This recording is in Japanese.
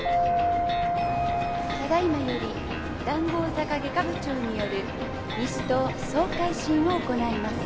「ただ今より談合坂外科部長による西棟総回診を行います」